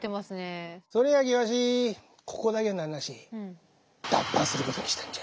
それやきわしここだけの話脱藩することにしたんじゃ。